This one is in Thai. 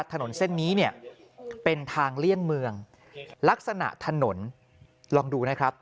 ถนนเส้นนี้เนี่ยเป็นทางเลี่ยงเมืองลักษณะถนนลองดูนะครับ